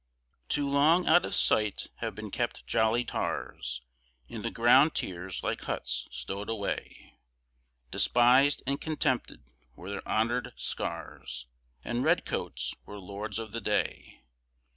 Too long out of sight have been kept Jolly Tars, In the ground tiers like huts stow'd away, Despis'd & contemn'd were their honour'd scars And Red Coats were Lords of the day.